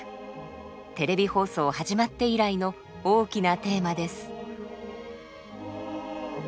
テレビ放送始まって以来の大きなテーマです。